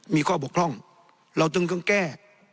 มีข้อบกล้องเราต้องก็แก้